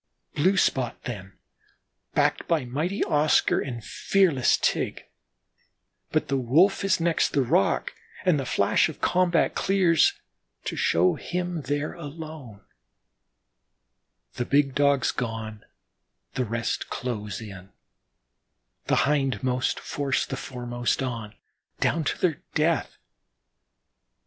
Blue spot then, backed by mighty Oscar and fearless Tige but the Wolf is next the rock and the flash of combat clears to show him there alone, the big Dogs gone; the rest close in, the hindmost force the foremost on down to their death.